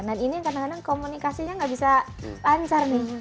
dan ini kadang kadang komunikasinya enggak bisa pancar nih